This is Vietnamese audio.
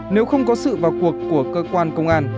nếu không có sự vào cuộc của cơ quan công an